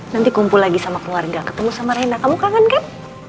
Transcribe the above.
nanti kumpul lagi sama keluarga ketemu sama rena kamu kangen kan